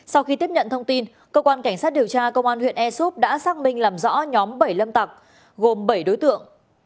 sau khi tiếp nhận thông tin cơ quan cảnh sát điều tra công an huyện ea súp đã xác minh làm rõ nhóm bảy lâm tặc gồm bảy đối tượng